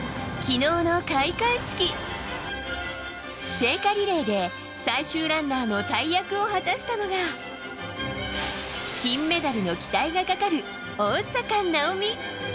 聖火リレーで、最終ランナーの大役を果たしたのが金メダルの期待がかかる大坂なおみ！